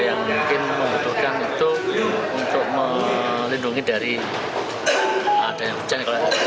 yang mungkin membutuhkan itu untuk melindungi dari adanya hujan